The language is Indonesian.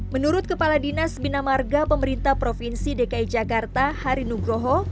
menurut kepala dinas bina marga pemerintah provinsi dki jakarta hari nugroho